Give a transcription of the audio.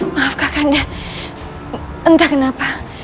maaf kakanda entah kenapa